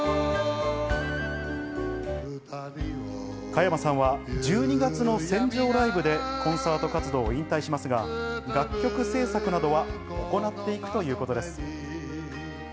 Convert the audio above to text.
加山さんは１２月の船上ライブでコンサート活動を引退しますが、楽曲制作などは行っていくということです。